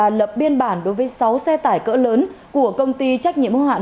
và lập biên bản đối với sáu xe tải cỡ lớn của công ty trách nhiệm hô hạn